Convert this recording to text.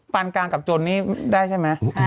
ปานกลางกับจนนี่ได้ใช่ไหม